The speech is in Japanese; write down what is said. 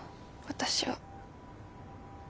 私は。